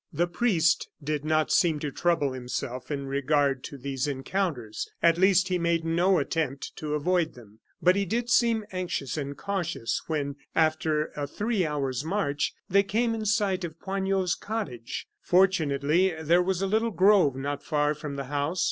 The priest did not seem to trouble himself in regard to these encounters; at least, he made no attempt to avoid them. But he did seem anxious and cautious when, after a three hours' march, they came in sight of Poignot's cottage. Fortunately there was a little grove not far from the house.